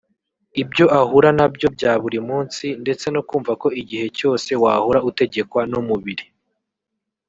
ibyo ahura nabyo bya buri munsi ndetse no kumva ko igihe cyose wahora utegekwa n’umubiri